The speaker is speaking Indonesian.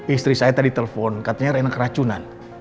istri saya tadi telpon katanya rina keracunan